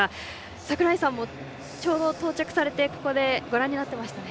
櫻井さんもちょうど到着されてここでご覧になってましたね。